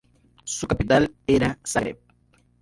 Su capital era Zagreb.